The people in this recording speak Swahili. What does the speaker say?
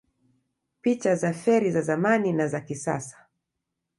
Picha za feri za zamani na za kisasa